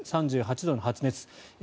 ３８度の発熱。